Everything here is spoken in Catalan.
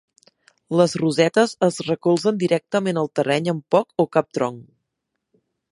Les rosetes es recolzen directament al terreny amb poc o cap tronc.